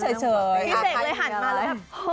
พี่เศษอีกเลยหันมาแล้วแบบ